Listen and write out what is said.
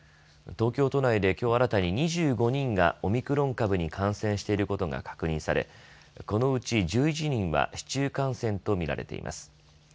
東京都内で、きょう新たに２５人がオミクロン株に感染していることが確認されこのうち１１人は市中感染と見られています。